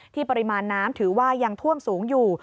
ปริมาณน้ำถือว่ายังท่วมสูงอยู่